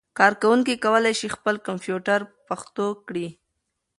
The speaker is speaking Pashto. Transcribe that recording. کاروونکي کولای شي خپل کمپيوټر پښتو کړي.